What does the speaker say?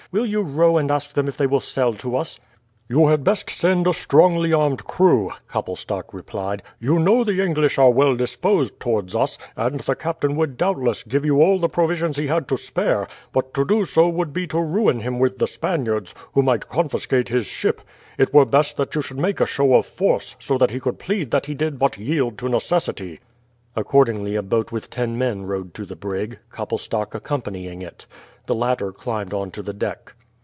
Will you row and ask them if they will sell to us?" "You had best send a strongly armed crew," Koppelstok replied. "You know the English are well disposed towards us, and the captain would doubtless give you all the provisions he had to spare; but to do so would be to ruin him with the Spaniards, who might confiscate his ship. It were best that you should make a show of force, so that he could plead that he did but yield to necessity." Accordingly a boat with ten men rowed to the brig, Koppelstok accompanying it. The latter climbed on to the deck.